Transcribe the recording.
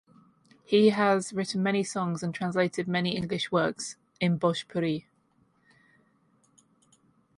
He has written many songs and translated many English works in Bhojpuri.